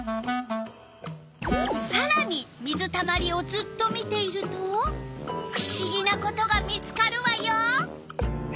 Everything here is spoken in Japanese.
さらに水たまりをずっと見ているとふしぎなことが見つかるわよ！